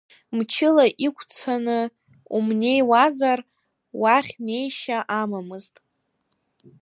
Мчыла иқәцаны умнеиуазар, уахь неишьа амамызт.